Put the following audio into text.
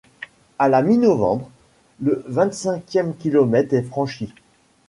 À la mi-novembre, le vingt-cinquième kilomètre est franchi.